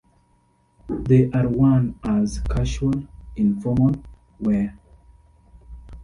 They are worn as casual, informal wear.